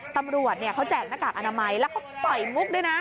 ตำรวจเขาแจกหน้ากากอนามัยแล้วเขาปล่อยมุกด้วยนะ